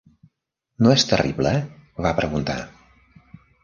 "No és terrible?", va preguntar.